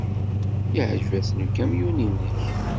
Yeɛjeb-asen ukamyun-nnek.